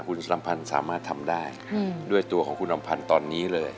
คุณสัมพันธ์สามารถทำได้ด้วยตัวของคุณลำพันธ์ตอนนี้เลย